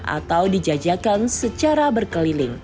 atau dijajakan secara berkeliling